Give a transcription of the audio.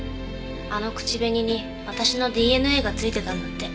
あの口紅に私のＤＮＡが付いてたんだって。